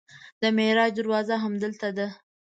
د معراج دروازه همدلته ده.